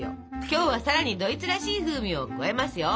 今日はさらにドイツらしい風味を加えますよ！